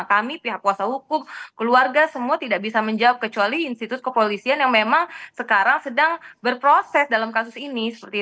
kami pihak kuasa hukum keluarga semua tidak bisa menjawab kecuali institusi kepolisian yang memang sekarang sedang berproses dalam kasus ini